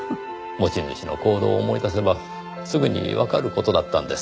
持ち主の行動を思い出せばすぐにわかる事だったんです。